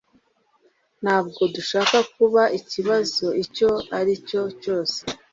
Ntabwo dushaka kuba ikibazo icyo ari cyo cyose